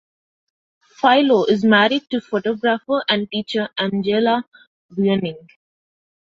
Filo is married to photographer and teacher Angela Buenning.